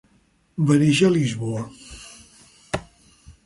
Va néixer a Lisboa.